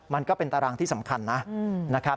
มันก็เป็นตารางที่สำคัญนะครับ